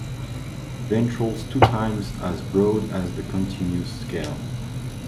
Ventrals two times as broad as the contiguous scales.